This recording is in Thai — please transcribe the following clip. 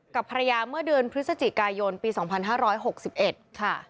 กับภรรยาเมื่อเดือนพฤศจิกายนปี๒๕๖๑ค่ะ